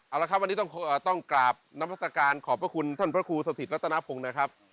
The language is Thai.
เอาละครับวันนี้ต้องกราบนมัศกาลขอบพระคุณท่านพระครูสถิตรัตนพงศ์นะครับ